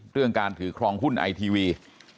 เรื่องการถือครองหุ้นไอทีวี